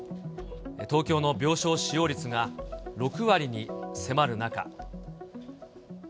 東京の病床使用率が６割に迫る中。